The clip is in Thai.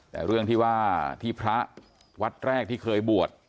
แต่เรื่องที่ว่าที่พระวัดแรกที่เคยบวช